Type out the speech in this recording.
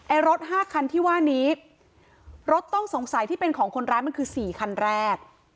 รถห้าคันที่ว่านี้รถต้องสงสัยที่เป็นของคนร้ายมันคือสี่คันแรก